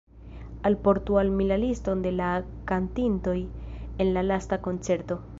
Alportu al mi la liston de la kantintoj en la lasta koncerto.